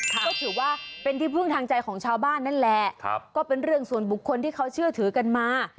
ก็ถือว่าเป็นที่พึ่งทางใจของชาวบ้านนั่นแหละก็เป็นเรื่องส่วนบุคคลที่เขาเชื่อถือกันมา